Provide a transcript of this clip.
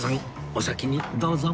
お先にどうぞ